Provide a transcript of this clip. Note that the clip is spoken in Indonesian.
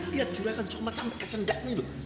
lihat juragan cuma sampai kesendak